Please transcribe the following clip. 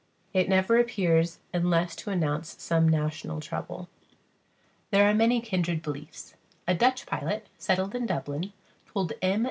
It never appears unless to announce some national trouble. There are many kindred beliefs. A Dutch pilot, settled in Dublin, told M.